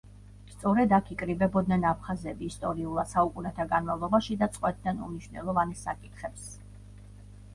სწორედ აქ იკრიბებოდნენ აფხაზები ისტორიულად, საუკუნეთა განმავლობაში და წყვეტდნენ უმნიშვნელოვანეს საკითხებს.